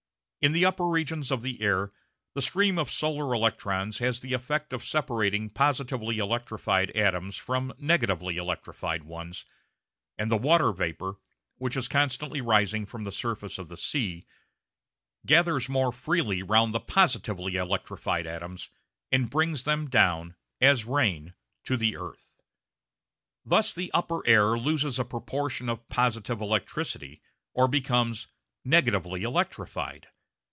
In the upper regions of the air the stream of solar electrons has the effect of separating positively electrified atoms from negatively electrified ones, and the water vapour, which is constantly rising from the surface of the sea, gathers more freely round the positively electrified atoms, and brings them down, as rain, to the earth. Thus the upper air loses a proportion of positive electricity, or becomes "negatively electrified."